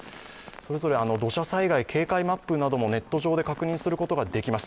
それぞれ土砂災害警戒マップなどもネット上で確認することができます。